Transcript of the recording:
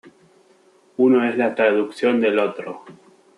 Uno es la traducción del otro.